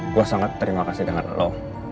gue sangat terima kasih dengan lo